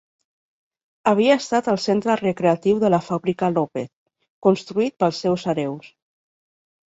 Havia estat el centre recreatiu de la fàbrica López, construït pels seus hereus.